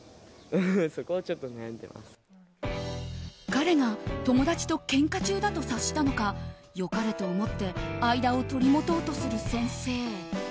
彼が、友達とけんか中だと察したのか良かれと思って間を取り持とうとする先生。